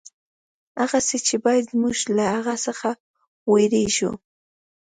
هغه څه چې باید موږ له هغه څخه وېرېږو.